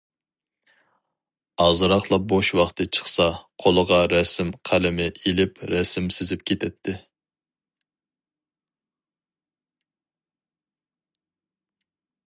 ئازراقلا بوش ۋاقتى چىقسا قولىغا رەسىم قەلىمى ئېلىپ رەسىم سىزىپ كېتەتتى.